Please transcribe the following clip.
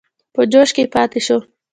په جوش کې پاته شو.